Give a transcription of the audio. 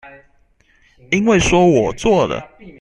因為說我做了